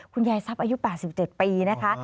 คุณยายทรัพย์อายุ๘๗ปีนะคะ